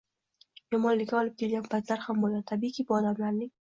yomonlikka olib kelgan paytlar ham bo‘lgan. Tabiiy-ki, bu odamlarning